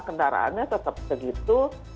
kendaraannya tetap begitu